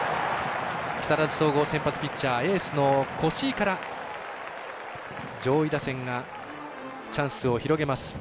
木更津総合、先発ピッチャーエースの越井から上位打線がチャンスを広げます。